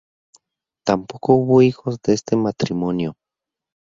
Tampoco hubo hijos de este matrimonio.